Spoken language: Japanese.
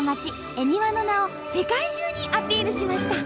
恵庭の名を世界中にアピールしました。